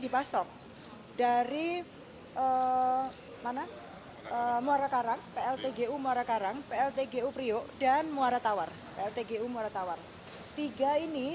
dipasok dari vanams murad arah mp tiga gu he nick l dua prio dan warat awal stg ul miaity was dingen